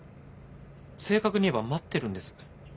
正確に言えば待ってるんです。